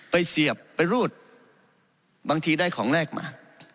เสียบไปรูดบางทีได้ของแรกมา